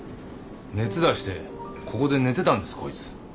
熱出してここで寝てたんですこいつ。